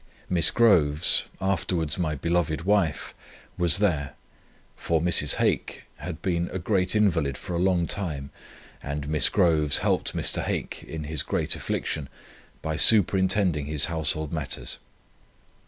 Miss Groves, afterwards my beloved wife, was there; for Mrs. Hake had been a great invalid for a long time, and Miss Groves helped Mr. Hake in his great affliction, by superintending his household matters.